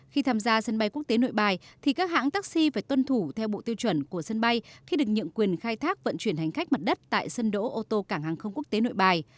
khi tham gia sân bay quốc tế nội bài thì các hãng taxi phải tuân thủ theo bộ tiêu chuẩn của sân bay khi được nhận quyền khai thác vận chuyển hành khách mặt đất tại sân đỗ ô tô cảng hàng không quốc tế nội bài